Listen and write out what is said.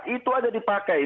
itu saja dipakai